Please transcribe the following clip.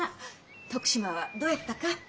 徳島はどうやったか？